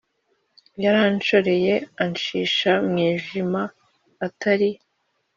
Yaranshoreye ancisha mu mwijima Atari